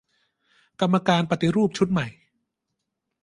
กรรมการปฏิรูปชุดใหม่